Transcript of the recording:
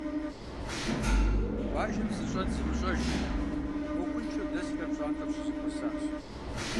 Къуажэм зыщӀэн зымыщӀэжу, Ӏуэхуншэу дэсхэр пщӀантӀэм щызэхуэсащ.